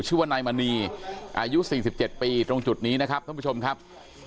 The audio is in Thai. ชื่อว่านายมณีอายุ๔๗ปีตรงจุดนี้นะครับท่านผู้ชมครับ